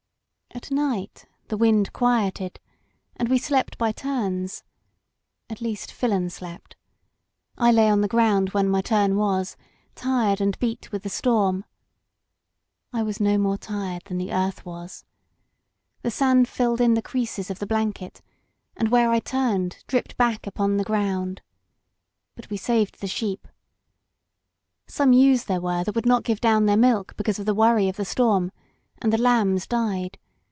At night the wind quieted, and we slept by turns ; at least Filon slept. I lay on the ground when my ttim was and beat with the storm. I was no more tired than ?Q3 LOST BORDERS the earth was. The sand filled in the creases of the blanket, and where I turned, dripped back upon the ground. But we saved the sheep. Some ewes there were that would not give down their milk because of the worry of the storm, and the lambs died.